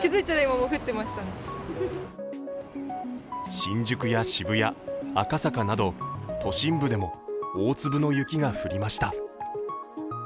新宿や渋谷、赤坂など都心部でも、大粒の雪が降りました。